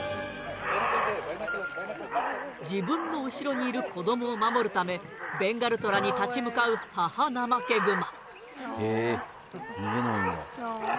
自分の後ろにいる子どもを守るためベンガルトラに立ち向かう母ナマケグマ